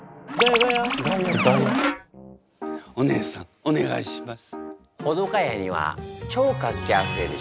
お姉さんお願いします。